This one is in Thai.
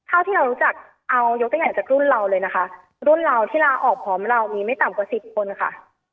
เอายกตัวใหญ่จากรุ่นเราเลยนะคะรุ่นเราที่ลาออกพร้อมเรามีไม่ต่ำกว่าสิบคนค่ะ